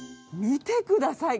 見てください。